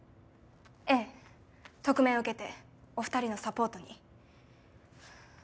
ええ特命を受けてお２人のサポートに。